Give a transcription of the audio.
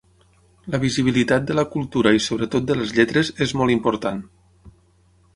La visibilitat de la cultura i sobretot de les lletres és molt important.